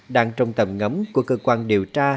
đang trong tầm ngắm của cơ quan điều tra